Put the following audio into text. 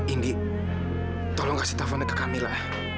indi tolong kasih teleponnya ke kamila